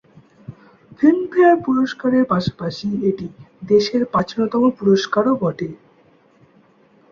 Filmfare পুরস্কারের পাশাপাশি এটি দেশের প্রাচীনতম পুরস্কারও বটে।